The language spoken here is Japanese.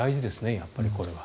やっぱりこれは。